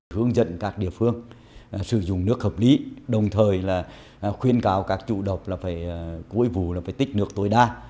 hướng dẫn các địa phương sử dụng nước hợp lý đồng thời khuyên cáo các chủ độc phải cuối vù tích nước tối đa